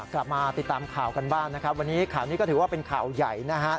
กลับมาติดตามข่าวกันบ้างนะครับวันนี้ข่าวนี้ก็ถือว่าเป็นข่าวใหญ่นะฮะ